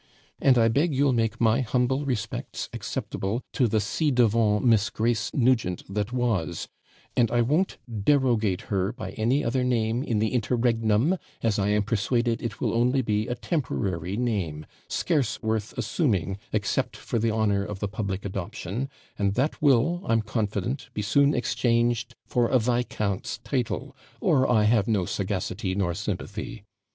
And I beg you'll make my humble respects acceptable to the ci devant Miss Grace Nugent that was; and I won't DERROGATE her by any other name in the interregnum, as I am persuaded it will only be a temporary name, scarce worth assuming, except for the honour of the public adoption; and that will, I'm confident, be soon exchanged for a viscount's title, or I have no sagacity nor sympathy.